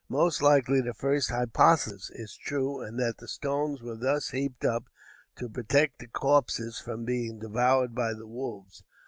Most likely the first hypothesis is true, and that the stones were thus heaped up to protect the corpses from being devoured by the wolves.